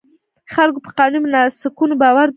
خلکو په قانوني مناسکونو باور درلود.